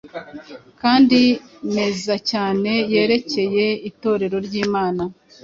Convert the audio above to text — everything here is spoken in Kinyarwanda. kandi meza cyane yerekeye Itorero ryimana